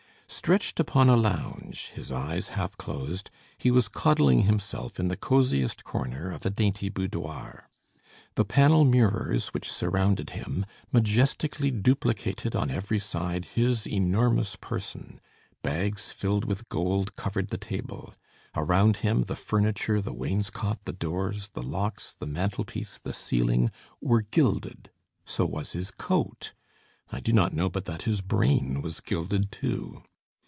Stretched upon a lounge, his eyes half closed, he was coddling himself in the coziest corner of a dainty boudoir. The panel mirrors which surrounded him, majestically duplicated on every side his enormous person; bags filled with gold covered the table; around him, the furniture, the wainscot, the doors, the locks, the mantel piece, the ceiling were gilded; so was his coat. I do not know but that his brain was gilded too.